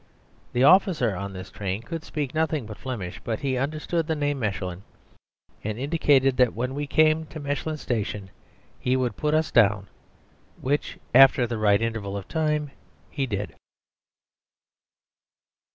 The officer on this train could speak nothing but Flemish, but he understood the name Mechlin, and indicated that when we came to Mechlin Station he would put us down, which, after the right interval of time, he did.